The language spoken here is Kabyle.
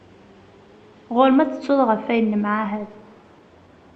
Ɣur-m ad tettuḍ ɣef wayen nemɛahad.